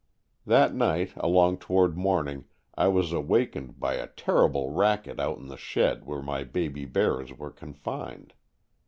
That night, along toward morn ing, I was awakened by a terrible racket out in the shed where my baby bears were confined.